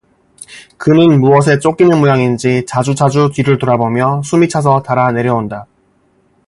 그는 무엇에 쫓기는 모양인지 자주자주 뒤를 돌아보며 숨이 차서 달아 내려온다.